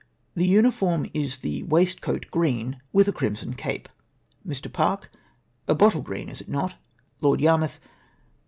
■—" The uniform is the waistcoat green, with a crimson cape.'''' Mr. Park. —" A bottle green, is it not ?" Lord Yarmouth.